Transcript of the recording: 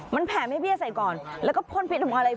มันแผ่มให้เบี้ยใส่ก่อนแล้วก็พลปิดออกมาเลย